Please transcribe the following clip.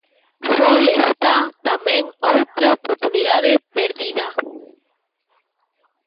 Foi esta, tamén, outra oportunidade perdida.